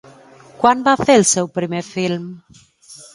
Quan va fer el seu primer film?